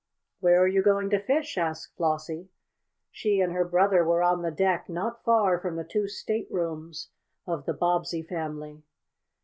"Where are you going to fish?" asked Flossie. She and her brother were on the deck not far from the two staterooms of the Bobbsey family.